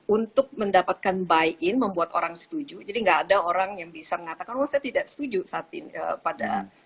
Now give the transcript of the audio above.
untuk mendapatkan buy in membuat orang setuju jadi nggak ada orang yang bisa mengatakan oh saya tidak setuju saat ini pada